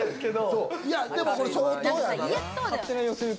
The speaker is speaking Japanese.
でもこれ相当やな。